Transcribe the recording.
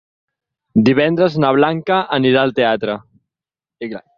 Divendres na Blanca anirà al teatre.